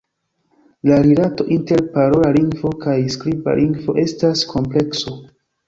La rilato inter parola lingvo kaj skriba lingvo estas komplekso.